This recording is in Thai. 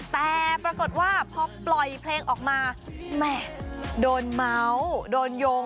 แต่ปรากฏว่าพอปล่อยเพลงออกมาแหม่โดนเมาส์โดนโยง